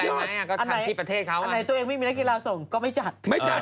อันไหนตัวเองไม่มีนักกีฬาส่งก็ไม่จัด